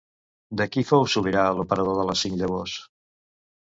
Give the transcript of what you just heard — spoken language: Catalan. De qui fou sobirà l'Emperador de les cinc llavors?